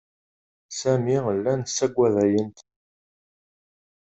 Sami llan saggadayent.